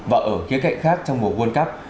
và ở khía cạnh khác trong mùa world cup